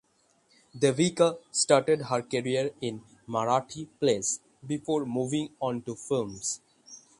Devika started her career in Marathi plays before moving on to films.